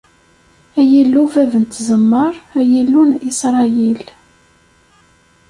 Ay Illu bab n tzemmar, ay Illu n Isṛayil.